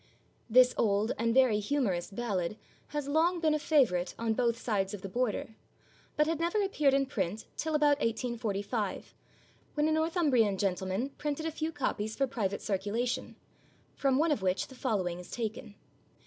[THIS old and very humorous ballad has long been a favourite on both sides of the Border, but had never appeared in print till about 1845, when a Northumbrian gentleman printed a few copies for private circulation, from one of which the following is taken.